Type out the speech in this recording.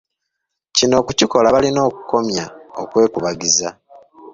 Kino okukikola balina okukomya okwekubagiza.